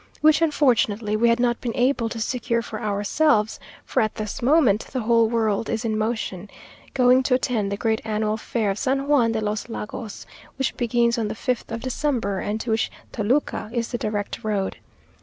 which, unfortunately, we had not been able to secure for ourselves; for at this moment, the whole world is in motion, going to attend the great annual fair of San Juan de los Lagos; which begins on the fifth of December, and to which Toluca is the direct road.